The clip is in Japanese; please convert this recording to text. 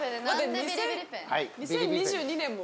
２０２２年も？